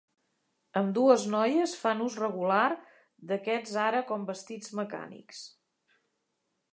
Ambdues noies fan ús regular d'aquests ara com vestits mecànics.